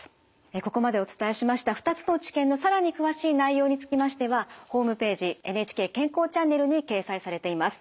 ここまでお伝えしました２つの治験の更に詳しい内容につきましてはホームページ「ＮＨＫ健康チャンネル」に掲載されています。